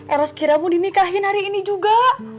eros kiramu dinikahin hari ini juga